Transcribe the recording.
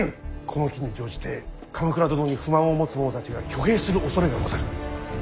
この機に乗じて鎌倉殿に不満を持つ者たちが挙兵するおそれがござる。